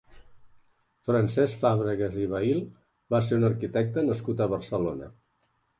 Francesc Fàbregas i Vehil va ser un arquitecte nascut a Barcelona.